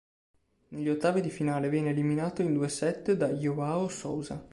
Negli ottavi di finale viene eliminato in due set da João Sousa.